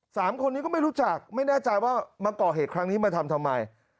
สามคนนี้ก็ไม่รู้จักไม่แน่ใจว่ามาก่อเหตุครั้งนี้มาทำทำไม